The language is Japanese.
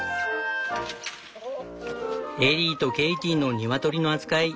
エリーとケイティのニワトリの扱い